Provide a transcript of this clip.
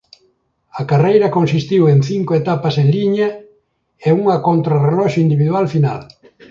A carreira consistiu en cinco etapas en liña e unha contra reloxo individual final.